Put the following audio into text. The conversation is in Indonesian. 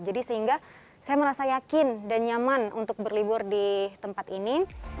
jadi sehingga saya merasa yakin dan nyaman untuk berlibur di tempat ini